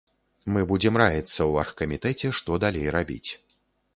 Мы будзем раіцца ў аргкамітэце, што далей рабіць.